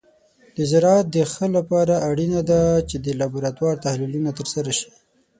د زراعت د ښه لپاره اړینه ده چې د لابراتور تحلیلونه ترسره شي.